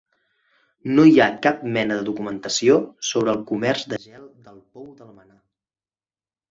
No hi ha cap mena de documentació sobre el comerç de gel del pou d'Almenar.